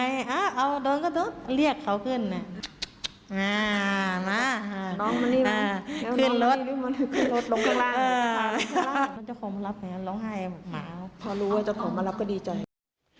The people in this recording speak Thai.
น้องเจ้าขอมันรับไงน้องไห้พอรู้ว่าเจ้าขอมันรับก็ดีใจ